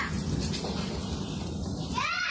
พอพอ